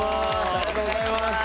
ありがとうございます。